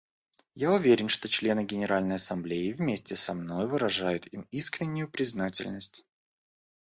Я уверен, что члены Генеральной Ассамблеи вместе со мной выражают им искреннюю признательность.